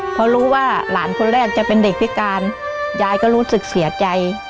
เพราะรู้ว่าหลานคนแรกจะเป็นเด็กพิการยายก็รู้สึกเสียใจ